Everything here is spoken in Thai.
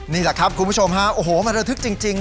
นี่แหละครับคุณผู้ชมฮะโอ้โหมันระทึกจริง